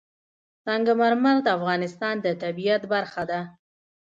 سنگ مرمر د افغانستان د طبیعت برخه ده.